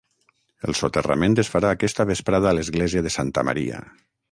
El soterrament es farà aquesta vesprada a l’església de Santa Maria.